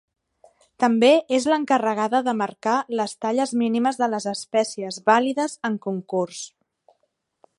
També és l'encarregada de marcar les talles mínimes de les espècies vàlides en concurs.